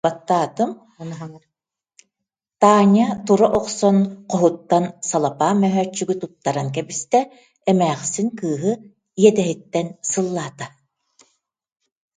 Таня тура охсон хоһуттан салапаан мөһөөччүгү туттаран кэбистэ, эмээхсин кыыһы иэдэһиттэн сыллаата: